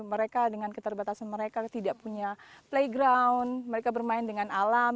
mereka dengan keterbatasan mereka tidak punya playground mereka bermain dengan alam